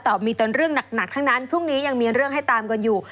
แต่มีแต่เรื่องหนักทั้งนั้นพรุ่งนี้ยังมีเรื่องให้ตามกันอยู่